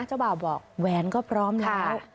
เจ้าบ่าวบอกแหวนก็พร้อมแล้ว